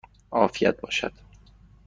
عافیت باشد!